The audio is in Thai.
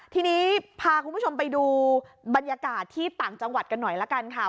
ทีนี้พาคุณผู้ชมไปดูบรรยากาศที่ต่างจังหวัดกันหน่อยละกันค่ะ